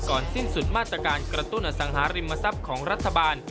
สิ้นสุดมาตรการกระตุ้นอสังหาริมทรัพย์ของรัฐบาล